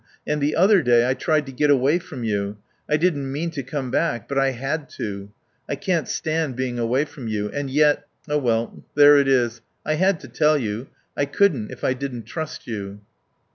And the other day I tried to get away from you. I didn't mean to come back; but I had to. I can't stand being away from you. And yet "... Oh well there it is. I had to tell you ... I couldn't if I didn't trust you."